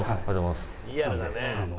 リアルだね。